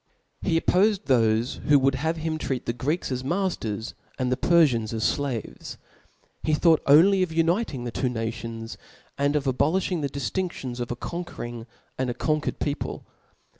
He oppofed thofe who would have had him treat (0'^"? the Greeks as matters (') and the Perfians as totie's ad flaves. He thought only of uniting the two nations, tarch's^^"^^^ of abolifhing the diftinftions of a conquering Morals, of and a cotjquercd people.